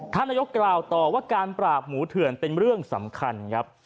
นายกกล่าวต่อว่าการปราบหมูเถื่อนเป็นเรื่องสำคัญครับ